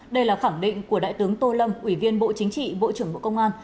đây là khẳng định của đại tướng tô lâm ủy viên bộ chính trị bộ trưởng bộ công an